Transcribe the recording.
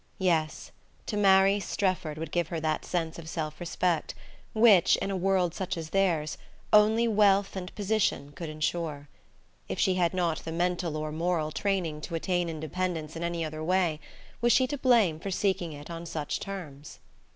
Yes: to marry Strefford would give her that sense of self respect which, in such a world as theirs, only wealth and position could ensure. If she had not the mental or moral training to attain independence in any other way, was she to blame for seeking it on such terms?